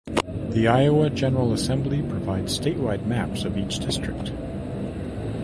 The Iowa General Assembly provides statewide maps of each district.